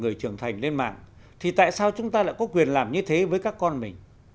người trưởng thành lên mạng thì tại sao chúng ta lại có quyền làm như thế với các con mình